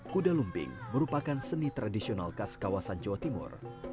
kuda lumping merupakan seni tradisional khas kawasan jawa timur